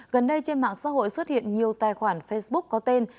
gần đây trên mạng xã hội xuất hiện nhiều tài khoản facebook có tên